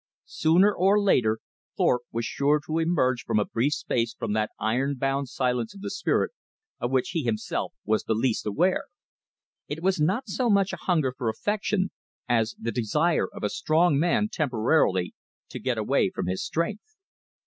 Sooner or later Thorpe was sure to emerge for a brief space from that iron bound silence of the spirit, of which he himself was the least aware. It was not so much a hunger for affection, as the desire of a strong man temporarily to get away from his strength.